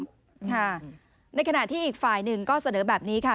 ค่ะในขณะที่อีกฝ่ายหนึ่งก็เสนอแบบนี้ค่ะ